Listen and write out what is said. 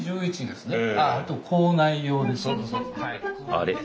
あれ？